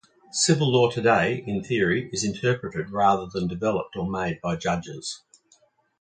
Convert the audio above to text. Civil law today, in theory, is interpreted rather than developed or made by judges.